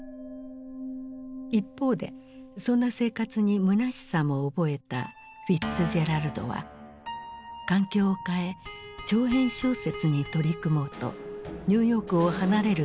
一方でそんな生活にむなしさも覚えたフィッツジェラルドは環境を変え長編小説に取り組もうとニューヨークを離れる決意をする。